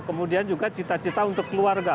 kemudian juga cita cita untuk keluarga